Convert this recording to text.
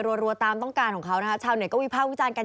รัวตามต้องการของเขานะ